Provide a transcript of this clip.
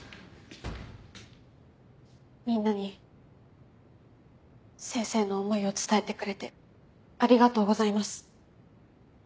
みんなに先生の思いを伝えてくれてありがとうございます。